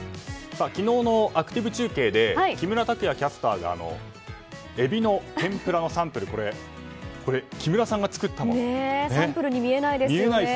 昨日のアクティブ中継で木村拓也キャスターがエビの天ぷらのサンプル木村さんが作ったものなんです。